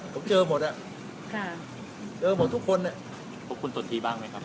ผมเจอหมดอ่ะค่ะเจอหมดทุกคนขอบคุณสนทีบ้างไหมครับ